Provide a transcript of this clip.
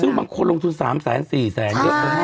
ซึ่งบางคนลงทุน๓แสน๔แสนเยอะ